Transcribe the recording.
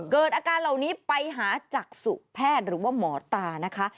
เกิดอาการเหล่านี้ไปหาจักษุแพทย์หรือว่าหมอตานะคะ